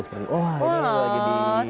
jadi wah ini juga jadi